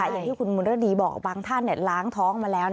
อย่างที่คุณมุรดีบอกบางท่านล้างท้องมาแล้ว